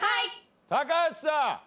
高橋さん。